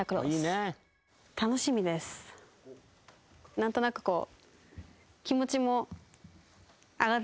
何となくこう。